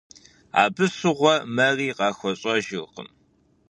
Абы щыгъуэ мэри къахуэщӀэжыркъым.